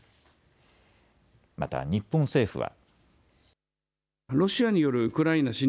また日本政府は。